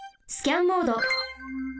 スキャンモード。